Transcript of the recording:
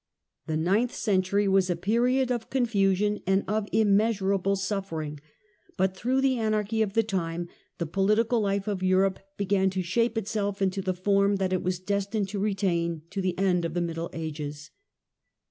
The ninth century was a period of confusion and of immeasurable suffering, but through the anarchy of the time the political life of Europe began to shape itself into the form that it was destined to retain to the end of the Middle Ages.